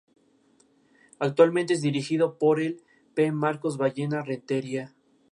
Está edificado con mármol de Carrara.